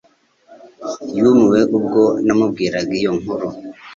Yumiwe ubwo namubwiraga iyo nkuru